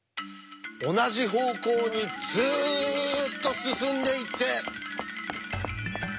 同じ方向にずっと進んでいって。